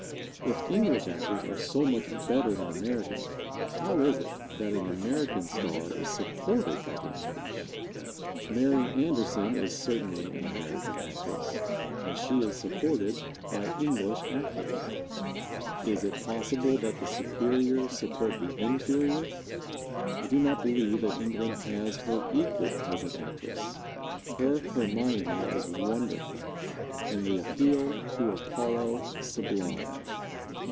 If English actors are so much better than American, how is it that an American star is supported by the English? Mary Anderson is certainly an American actress, and she is supported by English actors. Is it possible that the superior support the inferior? I do not believe that England has her equal as an actress. Her Hermione is wonderful, and the appeal to Apollo sublime.